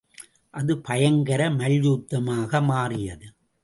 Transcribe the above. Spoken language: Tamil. அது பயங்கர மல்யுத்தமாக மாறியது.